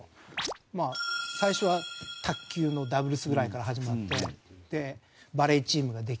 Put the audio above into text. まあ最初は卓球のダブルスぐらいから始まってバレーチームができて。